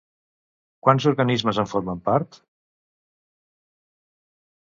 Quants organismes en formen part?